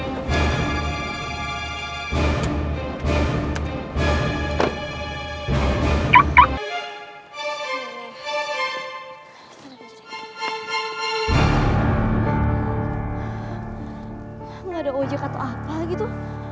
gak ada ujik atau apa gitu